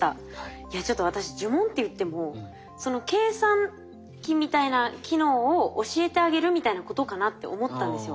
いやちょっと私呪文っていっても計算機みたいな機能を教えてあげるみたいなことかなって思ったんですよ。